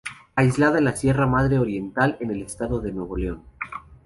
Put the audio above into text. Aislada en la Sierra Madre Oriental, en el estado de Nuevo León.